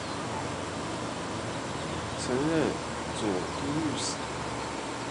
曾任左都御史。